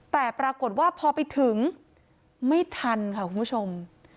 แต่ปรากฏว่าพอไปถึงไม่ทันค่ะคุณผู้ชม